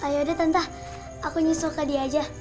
yaudah tante aku nyusul ke dia aja